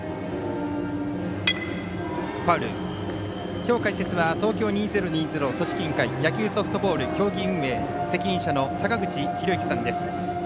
きょう、解説は東京２０２０組織委員会野球ソフトボール協議運営責任者の坂口裕之さんです。